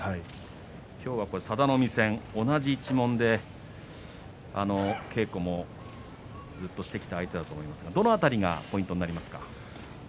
今日は佐田の海戦同じ一門で稽古もずっとしてきた相手だと思いますがどの辺りがポイントになりますか。